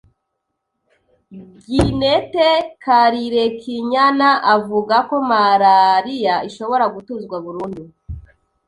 Ginette Karirekinyana avuga ko malaria ishobora gutuzwa burundu